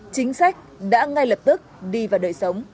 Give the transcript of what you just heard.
chính sách đã ngay lập tức đi vào đời sống